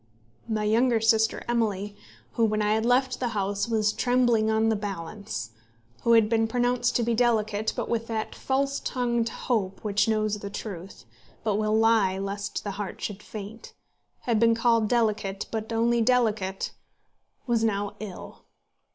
My younger sister, Emily, who, when I had left the house, was trembling on the balance, who had been pronounced to be delicate, but with that false tongued hope which knows the truth, but will lie lest the heart should faint, had been called delicate, but only delicate, was now ill.